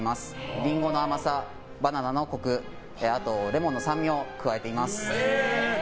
リンゴの甘さ、バナナのコクあとレモンの酸味を加えています。